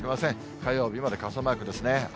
火曜日まで傘マークですね。